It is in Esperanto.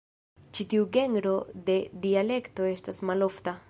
Ĉi tiu genro de dialekto estas malofta.